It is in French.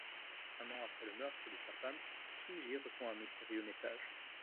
Un an après le meurtre de sa femme, Shinji reçoit un mystérieux message.